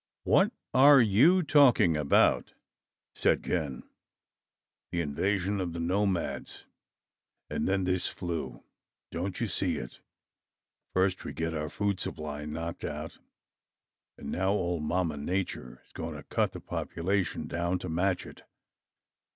"What are you talking about?" said Ken. "The invasion of the nomads, and then this flu. Don't you see it? First we get our food supply knocked out, and now old Mamma Nature is going to cut the population down to match it.